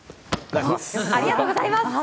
ありがとうございます。